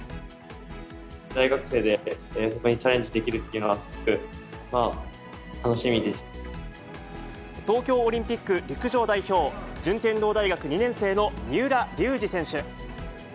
大学生でチャレンジできるっ東京オリンピック陸上代表、順天堂大学２年生の三浦龍司選手。